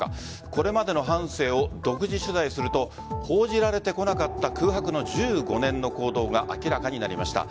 これまでの半生を独自取材すると報じられてこなかった空白の１５年の行動が明らかになりました。